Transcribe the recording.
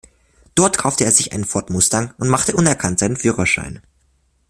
Dort kaufte er sich einen Ford Mustang und machte unerkannt seinen Führerschein.